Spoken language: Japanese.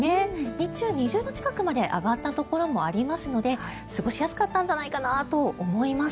日中、２０度近くまで上がったところもありますので過ごしやすかったんじゃないかなと思います。